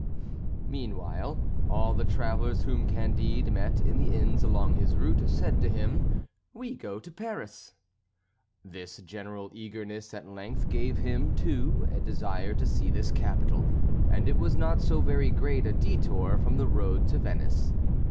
Meanwhile, all the travellers whom Candide met in the inns along his route, said to him, "We go to Paris." This general eagerness at length gave him, too, a desire to see this capital; and it was not so very great a détour from the road to Venice.